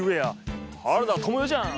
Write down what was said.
原田知世じゃん。